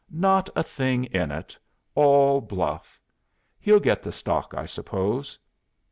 Not a thing in it! All bluff. He'll get the stock, I suppose.